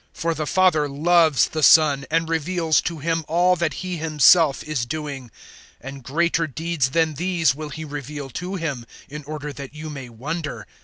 005:020 For the Father loves the Son and reveals to Him all that He Himself is doing. And greater deeds than these will He reveal to Him, in order that you may wonder.